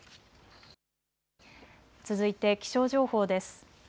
続いて気象情報です。